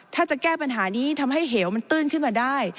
ถ้าจะแก้ปัญหานี้ทำให้เหวมันตื้นขึ้นมาได้